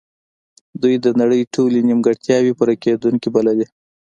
دوی د نړۍ ټولې نیمګړتیاوې پوره کیدونکې بللې